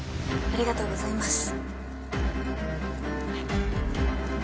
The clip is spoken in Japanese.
ありがとうございます。